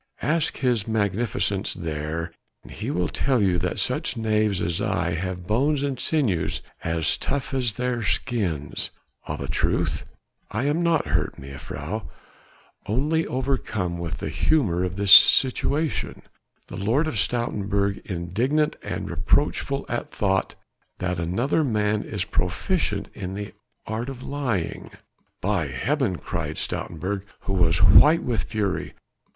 "Ask his Magnificence there, he will tell you that such knaves as I have bones and sinews as tough as their skins. Of a truth I am not hurt, mejuffrouw ... only overcome with the humour of this situation. The Lord of Stoutenburg indignant and reproachful at thought that another man is proficient in the art of lying." "By heaven," cried Stoutenburg who was white with fury.